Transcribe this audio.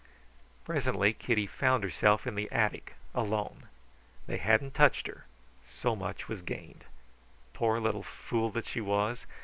Presently Kitty found herself in the attic, alone. They hadn't touched her; so much was gained. Poor little fool that she was!